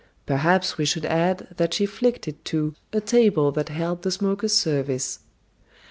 Perhaps we should add that she flicked it to "a table that held the smokers' service."